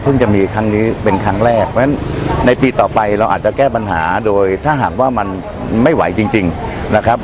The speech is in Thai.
จะมีครั้งนี้เป็นครั้งแรกเพราะฉะนั้นในปีต่อไปเราอาจจะแก้ปัญหาโดยถ้าหากว่ามันไม่ไหวจริงนะครับ